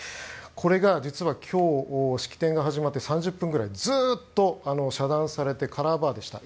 これが実は今日式典が始まって３０分ぐらいずっと遮断されてカラーバーでした。